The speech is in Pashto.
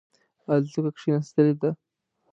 الوتکه کښېنستلې ده.